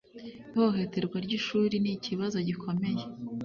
Ihohoterwa ryishuri nikibazo gikomeye.